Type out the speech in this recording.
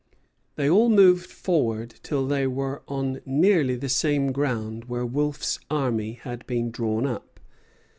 They all moved forward till they were on nearly the same ground where Wolfe's army had been drawn up.